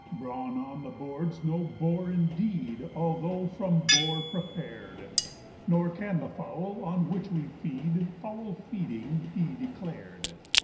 Brawn on the board's no bore indeed although from boar prepared; Nor can the fowl, on which we feed, foul feeding he declared.